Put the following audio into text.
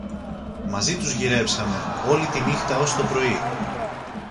Μαζί τους γυρέψαμε όλη τη νύχτα ως το πρωί